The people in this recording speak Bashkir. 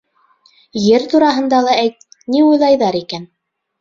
Ер тураһында ла әйт, ни уйлайҙар икән.